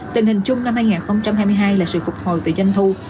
tình hình chung năm hai nghìn hai mươi hai là sự phục hồi về doanh thu